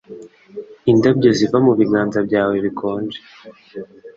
Indabyo ziva mu biganza byawe bikonje,